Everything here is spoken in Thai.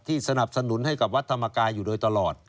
สนับสนุนให้กับวัดธรรมกายอยู่โดยตลอด